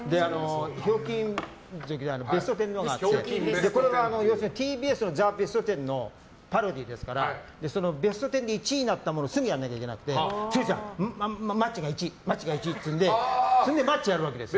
ひょうきん族ベストテンがあってこれはＴＢＳの「ザ・ベストテン」のパロディーですからその「ベストテン」で１位になったものをすぐやらなきゃいけなくてマッチが１位っていうんでマッチやるわけですよ。